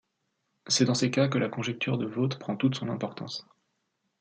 C’est dans ces cas que la conjecture de Vaught prend toute son importance.